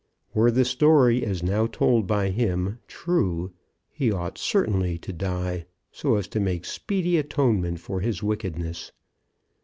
Were the story, as now told by him, true, he ought certainly to die, so as to make speedy atonement for his wickedness.